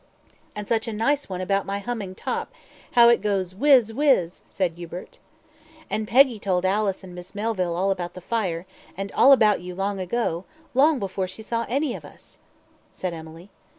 "And such a nice one about my humming top how it goes whiz whiz," said Hubert. "And Peggy told Alice and Miss Melville about the fire, and all about you long ago long before she saw any of us," said Emily.